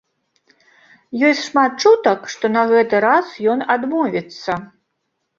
Ёсць шмат чутак, што на гэты раз ён адмовіцца.